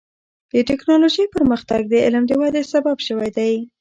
د ټکنالوجۍ پرمختګ د علم د ودې سبب شوی دی.